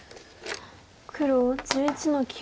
黒１１の九。